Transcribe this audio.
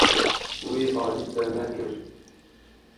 Wî alî te nekir.